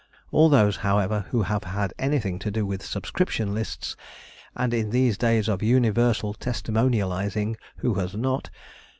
All those, however, who have had anything to do with subscription lists and in these days of universal testimonializing who has not?